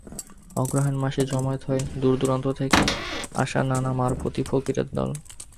অগ্রহায়ণ মাসে জমায়েত হয় দূর দূরান্ত থেকে আসা নানা মারফতি ফকিরের দল।